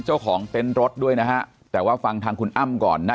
เจ้าของเต็นต์รถด้วยนะฮะแต่ว่าฟังทางคุณอ้ำก่อนนะ